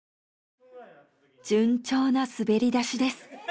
順調な滑り出しです。